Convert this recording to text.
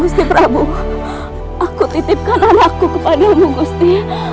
gusti prabu aku titipkan anakku kepadamu gusti